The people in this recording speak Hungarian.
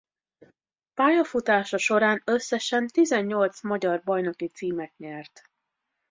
Pályafutása során összesen tizennyolc magyar bajnoki címet nyert.